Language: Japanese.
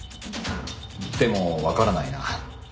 でもわからないな。